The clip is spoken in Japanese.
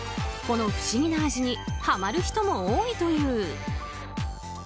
この不思議な味にはまる人も多いという。